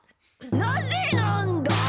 なぜなんだ！？